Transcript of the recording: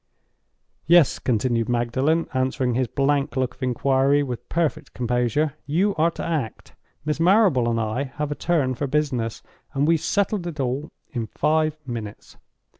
"Yes," continued Magdalen, answering his blank look of inquiry with perfect composure. "You are to act. Miss Marrable and I have a turn for business, and we settled it all in five minutes.